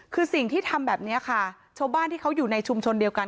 คือสิ่งที่ทำแบบนี้ค่ะชาวบ้านที่เขาอยู่ในชุมชนเดียวกัน